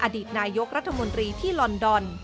อดีตนายกรัฐมนตรีที่ลอนดอน